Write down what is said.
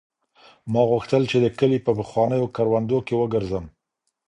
ما غوښتل چې د کلي په پخوانیو کروندو کې وګرځم.